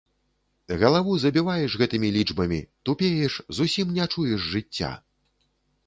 Галаву забіваеш гэтымі лічбамі, тупееш, зусім не чуеш жыцця.